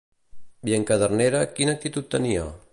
I en Cadernera, quina actitud tenia?